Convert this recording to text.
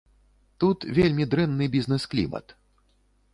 Тут вельмі дрэнны бізнэс-клімат.